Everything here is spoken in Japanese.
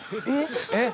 えっ？